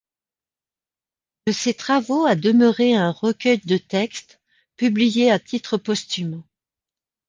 De ces travaux a demeuré un recueil de textes, publié à titre posthume.